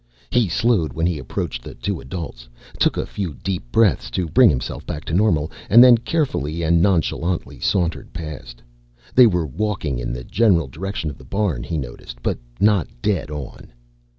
He slowed when he approached the two adults, took a few deep breaths to bring himself back to normal, and then carefully and nonchalantly sauntered past. (They were walking in the general direction of the barn, he noticed, but not dead on.)